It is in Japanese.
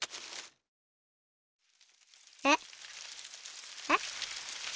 えっ？えっ？